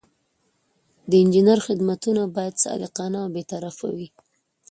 د انجینر خدمتونه باید صادقانه او بې طرفه وي.